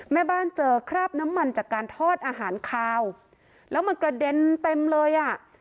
แม่บ้านเจอคราบน้ำมันจากการทอดอาหารคาวแล้วมันกระเด็นเต็มเลยอ่ะ